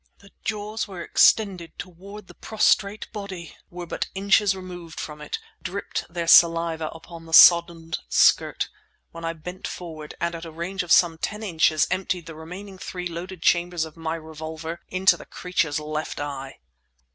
The jaws were extended toward the prostrate body, were but inches removed from it, dripped their saliva upon the soddened skirt—when I bent forward, and at a range of some ten inches emptied the remaining three loaded chambers of my revolver into the creature's left eye!